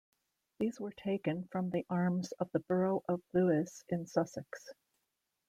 These were taken from the arms of the borough of Lewes, in Sussex.